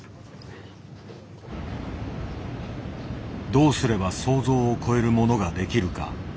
どうすれば想像を超えるものができるか。